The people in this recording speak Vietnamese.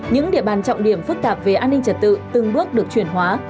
những địa bàn trọng điểm phức tạp về an ninh trật tự từng bước được chuyển hóa